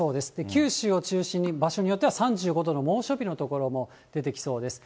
九州を中心に場所によっては３５度以上の猛暑日の所も出てきそうです。